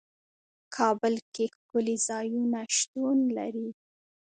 کابل کې ښکلي ځايونه شتون لري.